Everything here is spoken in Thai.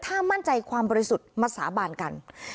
ถ้ามั่นใจความบริสุทธิ์มาสาบานกัน